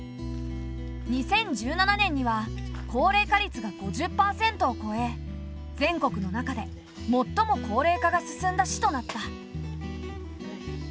２０１７年には高齢化率が５０％を超え全国の中でもっとも高齢化が進んだ市となった。